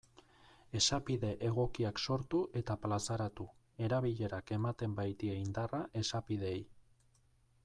Esapide egokiak sortu eta plazaratu, erabilerak ematen baitie indarra esapideei.